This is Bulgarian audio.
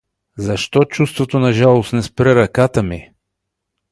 Защо чувството на жалост не спре ръката ми?